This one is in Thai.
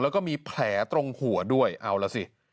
แล้วก็มีแผลตรงหัวด้วยเอาล่ะสิ